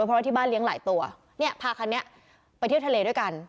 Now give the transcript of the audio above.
เพราะว่าที่บ้านเลี้ยงหลายตัวเนี่ยพาคันนี้ไปเที่ยวทะเลด้วยกัน